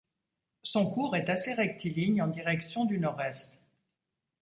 Son cours est assez rectiligne en direction du nord-est.